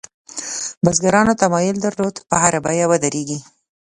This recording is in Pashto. بزګرانو تمایل درلود په هره بیه ودرېږي.